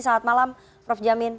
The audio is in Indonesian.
selamat malam prof jamin